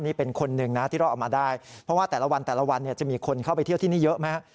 นี่เป็นคนหนึ่งนะที่รอดออกมาได้เพราะว่าแต่ละวันแต่ละวันเนี่ยจะมีคนเข้าไปเที่ยวที่นี่เยอะไหมฮะ